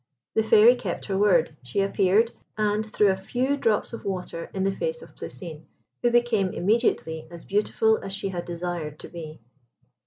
The Fairy kept her word. She appeared, and threw a few drops of water in the face of Plousine, who became immediately as beautiful as she had desired to be.